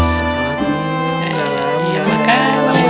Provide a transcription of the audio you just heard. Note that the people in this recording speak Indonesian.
semua tuh ya